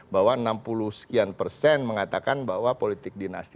bahwa enam puluh sekian persen mengatakan bahwa politik dinasti